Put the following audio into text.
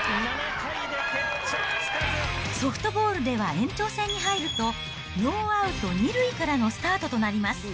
ソフトボールでは延長戦に入ると、ノーアウト２塁からのスタートとなります。